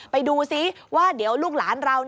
ไปดูซิว่าเดี๋ยวลูกหลานเรา